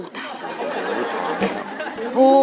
อุ๊ยตายแล้ว